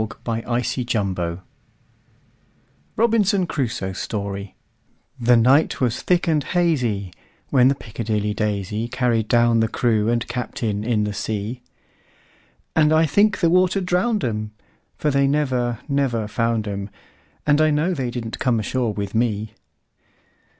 Carryl1841–1920 Robinson Crusoe's Story THE NIGHT was thick and hazyWhen the "Piccadilly Daisy"Carried down the crew and captain in the sea; And I think the water drowned 'em; For they never, never found 'em, And I know they didn't come ashore with me.